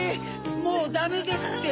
もうダメですって？